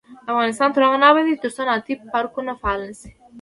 افغانستان تر هغو نه ابادیږي، ترڅو صنعتي پارکونه فعال نشي.